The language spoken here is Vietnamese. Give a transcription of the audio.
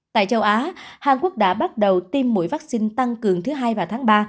tại châu á hàn quốc đã bắt đầu tiêm mũi vaccine tăng cường thứ hai và tháng ba